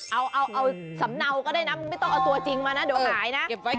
เอาสำเนาก็ได้นะไม่ต้องเอาตัวจริงมานะเดี๋ยวหายนะ